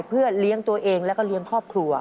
เพื่อเลี้ยงตัวเองแล้วก็เลี้ยงครอบครัว